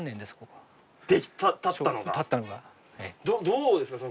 どうですか？